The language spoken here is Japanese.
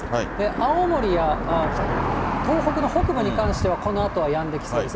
青森や東北の北部に関してはこのあとはやんできそうです。